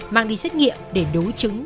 mang đi xét nghiệm để đối chứng